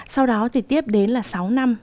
sau đó thì tiếp đến là sáu năm